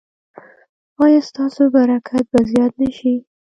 ایا ستاسو برکت به زیات نه شي؟